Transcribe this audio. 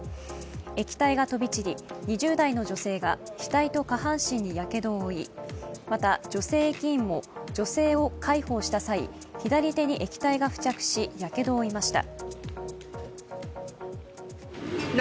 液体が飛び散り、２０代の女性が額と下半身にやけどを負い、また、女性駅員も女性を介抱した際左手に液体が付着しやけどを負いました。